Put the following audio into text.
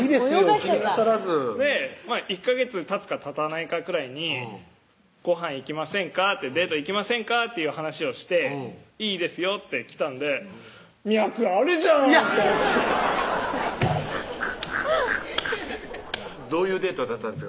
気になさらず１ヵ月たつかたたないかくらいに「ごはん行きませんか？」って「デート行きませんか？」っていう話をして「いいですよ」って来たんで脈あるじゃん！と思ってどういうデートだったんですか？